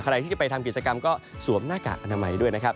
ใครที่จะไปทำกิจกรรมก็สวมหน้ากากอนามัยด้วยนะครับ